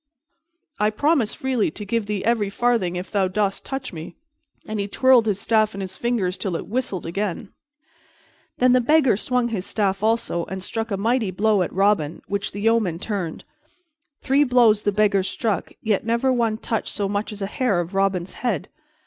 "I promise freely to give thee every farthing if thou dost touch me." And he twirled his staff in his fingers till it whistled again. Then the Beggar swung his staff also, and struck a mighty blow at Robin, which the yeoman turned. Three blows the Beggar struck, yet never one touched so much as a hair of Robin's head.